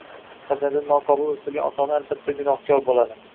Farzandini noqobil o‘stirgan ota-ona albatta gunohkor bo‘ladi